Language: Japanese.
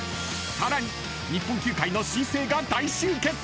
更に日本球界の新星が大集結。